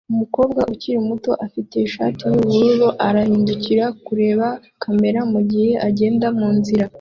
Umukobwa ukiri muto ufite ishati yubururu arahindukira kureba kamera mugihe agenda munzira